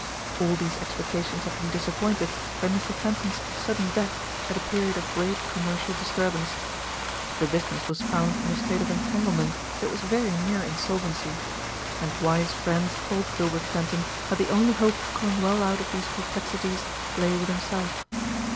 All these expectations had been disappointed by Mr. Fenton's sudden death at a period of great commercial disturbance. The business was found in a state of entanglement that was very near insolvency; and wise friends told Gilbert Fenton that the only hope of coming well out of these perplexities lay with himself.